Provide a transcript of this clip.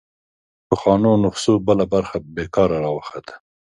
پخوانو نسخو بله برخه بېکاره راوخته